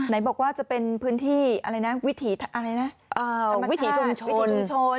ไหนบอกว่าจะเป็นพื้นที่วิถีธรรมชาติวิถีชุมชน